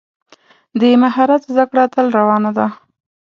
د مهارت زده کړه تل روانه ده.